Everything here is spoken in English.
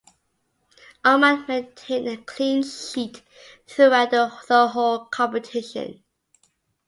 Oman maintained a clean-sheet throughout the whole competition.